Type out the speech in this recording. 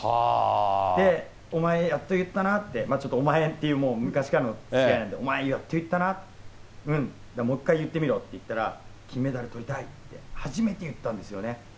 で、お前やっと言ったなって、ちょっとお前ってもう、昔からのつきあいなんで、お前、やっと言ったなって、もっかい言ってみろって言ったら、金メダルとりたいって、初めて言ったんですよね。